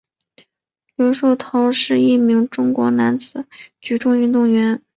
刘寿斌是一名中国男子举重运动员。